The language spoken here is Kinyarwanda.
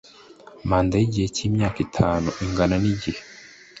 manda y igihe cy imyaka itanu ingana n igihe